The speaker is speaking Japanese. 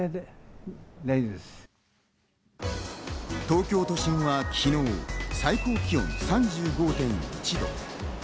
東京都心は昨日、最高気温３５．１度。